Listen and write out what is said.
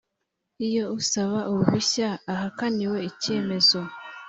Iyo usaba uruhushya ahakaniwe icyemezo